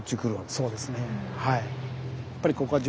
そうですねはい。